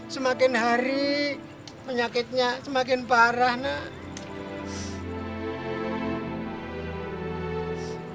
semakin hari penyakitnya semakin parah nak